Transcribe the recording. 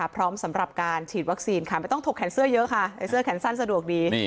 พร้อมสำหรับการฉีดวัคซีนค่ะไม่ต้องถกแขนเสื้อเยอะค่ะใส่เสื้อแขนสั้นสะดวกดี